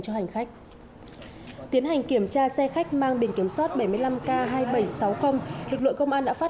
cho hành khách tiến hành kiểm tra xe khách mang biển kiểm soát bảy mươi năm k hai nghìn bảy trăm sáu mươi lực lượng công an đã phát